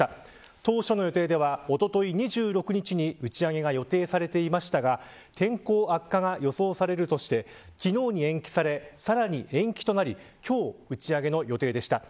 当初の予定ではおととい２６日に打ち上げが予定されていましたが天候悪化が予想されるとして昨日に延期されさらに延期となり今日打ち上げの予定でした。